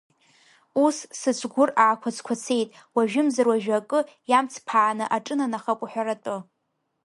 Ус, сыҵәгәыр аақәацқәацеит, уажәымзар уажәы акы иаамҵԥааны аҿынанахап уҳәаратәы.